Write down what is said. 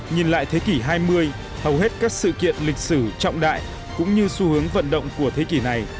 nhìn lại thế kỷ hai mươi hầu hết các sự kiện lịch sử trọng đại cũng như xu hướng vận động của thế kỷ này